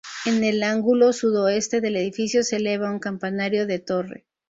En el ángulo sudoeste del edificio se eleva un campanario de torre.